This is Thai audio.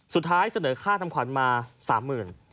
สุดท้ายเสนอค่าทำขวัญมา๓๐๐๐๐บาท